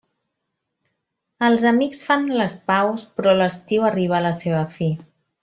Els amics fan les paus però l'estiu arriba a la seva fi.